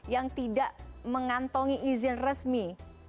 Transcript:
yang tidak mengantongi izin resmi